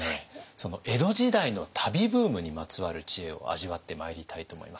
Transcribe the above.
その江戸時代の旅ブームにまつわる知恵を味わってまいりたいと思います。